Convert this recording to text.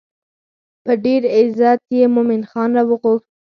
په ډېر عزت یې مومن خان راوغوښت.